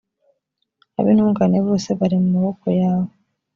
ab’intungane bose bari mu maboko yawe.